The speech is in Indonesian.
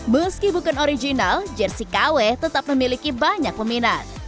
meski bukan original jersi kw tetap memiliki banyak peminat